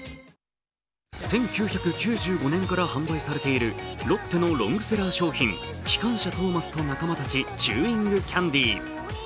１９９５年から販売されているロッテのロングセラー商品、きかんしゃトーマスとなかまたちチューイングキャンディ。